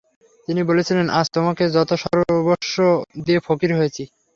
তিনি বলেছিলেন, “আজ তোকে যথাসর্বস্ব দিয়ে ফকির হয়েছি।